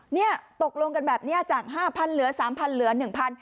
เนี่ยตกลงกันแบบเนี้ยจากห้าพันเหลือสามพันเหลือหนึ่งพัน